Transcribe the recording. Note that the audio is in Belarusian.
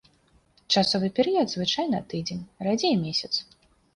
Часовы перыяд звычайна тыдзень, радзей месяц.